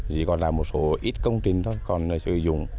chỉ còn là một số ít công trình thôi còn sử dụng